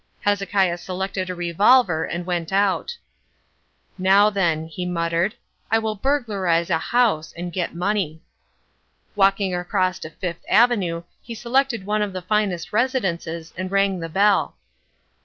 Hezekiah selected a revolver and went out. "Now, then," he muttered, "I will burglarise a house and get money." Walking across to Fifth Avenue he selected one of the finest residences and rang the bell.